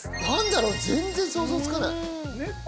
何だろう全然想像つかない。